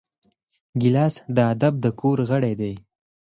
ګیلاس د ادب د کور غړی دی.